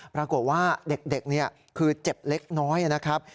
ปรากฏว่าเด็กคือเจ็บเล็กน้อยนะครับ